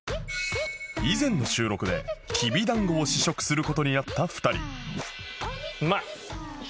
以前の収録できびだんごを試食する事になった２人